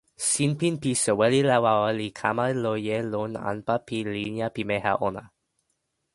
sinpin pi soweli Lawawa li kama loje lon anpa pi linja pimeja ona.